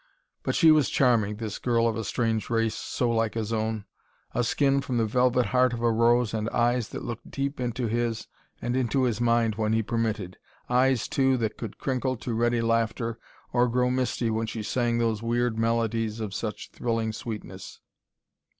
But she was charming, this girl of a strange race so like his own. A skin from the velvet heart of a rose and eyes that looked deep into his and into his mind when he permitted; eyes, too, that could crinkle to ready laughter or grow misty when she sang those weird melodies of such thrilling sweetness.